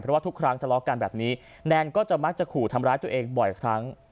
เพราะว่าทุกครั้งทะเลาะกันแบบนี้แนนก็จะมักจะขู่ทำร้ายตัวเองบ่อยครั้ง